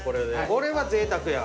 これはぜいたくや。